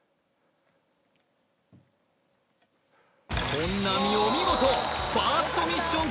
本並お見事！